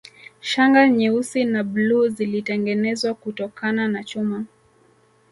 Shanga nyeusi na bluu zilitengenezwa kutokana na chuma